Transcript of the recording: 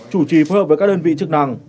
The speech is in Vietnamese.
chủ trì phối hợp với các đơn vị chức năng